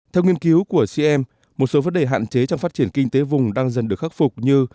theo nghiên cứu của cm một số vấn đề hạn chế trong phát triển kinh tế vùng đang dần được khắc phục như